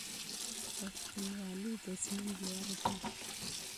پښتونولي د ژوند لاره ده.